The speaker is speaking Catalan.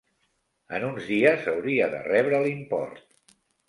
En uns dies hauria de rebre l'import.